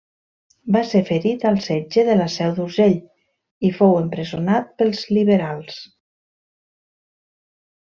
Va ser ferit al setge de la Seu d'Urgell i fou empresonat pels liberals.